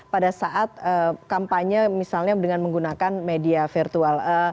pada saat kampanye misalnya dengan menggunakan media virtual